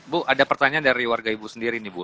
bu ada pertanyaan dari warga ibu sendiri nih bu